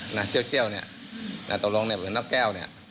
หน้าเจ้าเนี่ยหน้าตกลงเนี่ยเหมือนน้าแก้วเนี่ย